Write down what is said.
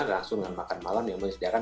langsung dengan makan malam yang menyediakan